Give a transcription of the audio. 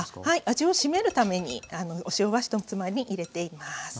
はい味を締めるためにお塩は１つまみ入れています。